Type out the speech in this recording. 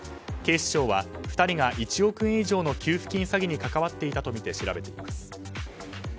警視庁は２人が１億円以上の給付金詐欺に関わっていたとみて調べています。